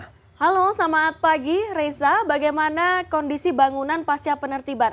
halo selamat pagi reza bagaimana kondisi bangunan pasca penertiban